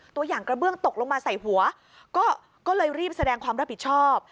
ตัวอย่างกระเบื้องตกลงมาใส่หัวก็เลยรีบแสดงความรับผิดชอบ